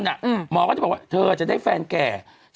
หมอก็จะบอกว่าเธอจะได้แฟนแก่